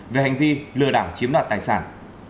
về hành vi lừa đảo chiếm đoạt tài sản